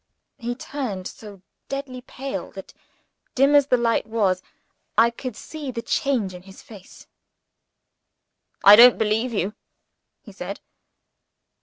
He turned so deadly pale that, dim as the light was, I could see the change in his face. "I don't believe you!" he said.